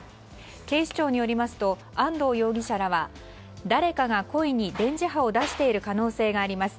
警視庁によりますと安藤容疑者らは誰かが故意に電磁波を出している可能性があります